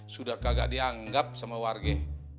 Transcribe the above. sudah kagak dianggap sama warga